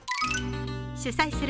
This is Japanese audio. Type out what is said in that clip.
主宰する